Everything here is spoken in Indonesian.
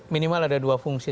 minimal ada dua fungsi